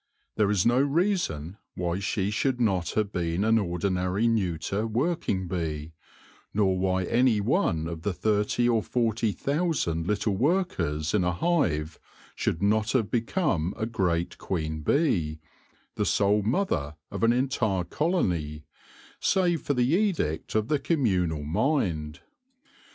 There is no reason why she should not have been an ordinary neuter working bee, nor why any one of the thirty or forty thousand little workers in a hive should not have become a great queen bee, the sole mother of an entire colony, save for the edict of the communal mind.